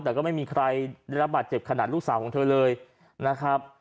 แต่ก็ไม่มีใครได้รับบาดเจ็บขนาดลูกสาวของเธอเลยนะครับ